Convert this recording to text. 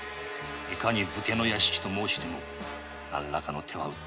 いかに武家の屋敷だと申しても何らかの手は打ってくる。